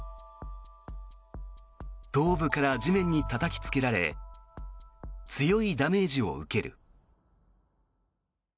頭部から地面にたたきつけられ強いダメージを受ける。